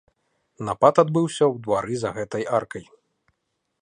Напад адбыўся ў двары за гэтай аркай.